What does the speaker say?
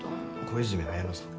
小泉文乃さん。